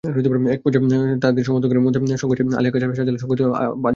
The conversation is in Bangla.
একপর্যায়ে তাঁদের সমর্থকদের মধ্যে সংঘর্ষে আলী আক্কাছ, শাহজালাল, শওকতসহ পাঁচজন আহত হন।